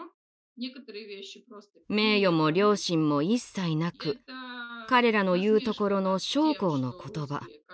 名誉も良心も一切なく彼らの言うところの将校の言葉。